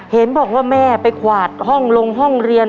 เห็นบอกว่าแม่ไปกวาดห้องลงห้องเรียน